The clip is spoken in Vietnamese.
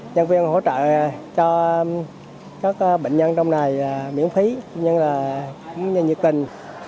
nhân viên hỗ trợ cho các bệnh nhân trong này miễn phí nhân viên là nhân viên nhiệt tình